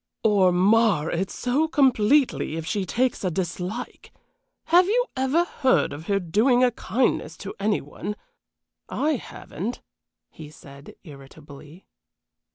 "Or mar it so completely if she takes a dislike! Have you ever heard of her doing a kindness to any one? I haven't!" he said, irritably.